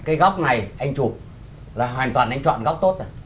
cái góc này anh chụp là hoàn toàn anh chọn góc tốt